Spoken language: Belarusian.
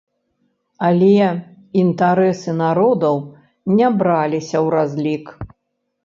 Але інтарэсы народаў не браліся ў разлік.